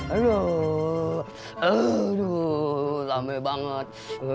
aduh aduh lame banget